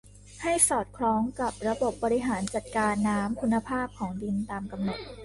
ให้สอดคล้องกับระบบบริหารจัดการน้ำคุณภาพของดินตามกำหนด